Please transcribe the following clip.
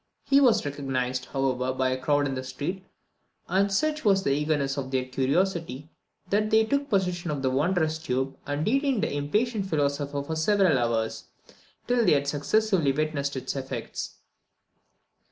He was recognised, however, by a crowd in the street; and such was the eagerness of their curiosity, that they took possession of the wondrous tube, and detained the impatient philosopher for several hours, till they had successively witnessed its effects.